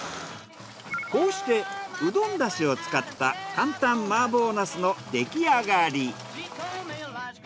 こうしてうどん出汁を使った簡単麻婆なすの出来上がり。